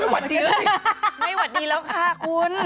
ไปท้าไม่หวัดดีแล้วค่ะคุณ